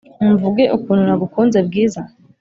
mvuge ukuntu nagukunze bwiza !